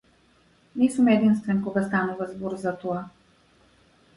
Не сум единствен кога станува збор за тоа.